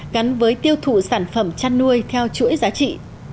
gắn với tiêu thụ sản phẩm chăn nuôi theo chuỗi giá trị